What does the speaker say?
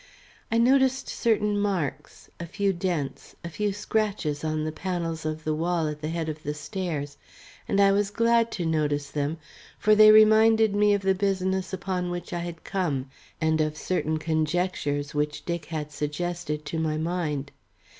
I noticed certain marks, a few dents, a few scratches on the panels of the wall at the head of the stairs, and I was glad to notice them, for they reminded me of the business upon which I had come and of certain conjectures which Dick had suggested to my mind.